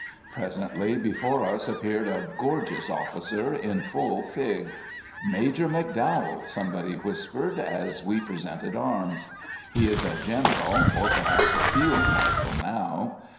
Presently before us appeared a gorgeous officer, in full fig. "Major McDowell!" somebody whispered, as we presented arms. He is a General, or perhaps a Field Marshal, now.